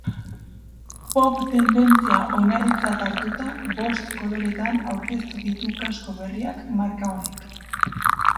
Pop tendentzia oinarritzat hartuta bost koloretan aurkeztu ditu kasko berriak marka honek.